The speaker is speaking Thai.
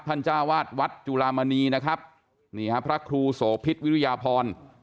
จ้าวาดวัดจุลามณีนะครับนี่ฮะพระครูโสพิษวิริยาพร